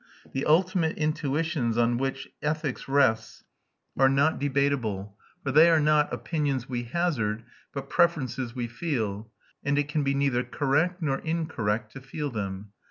The ultimate intuitions on which ethics rests are not debatable, for they are not opinions we hazard but preferences we feel; and it can be neither correct nor incorrect to feel them.